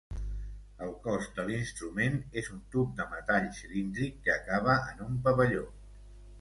El cos de l'instrument és un tub de metall cilíndric que acaba en un pavelló.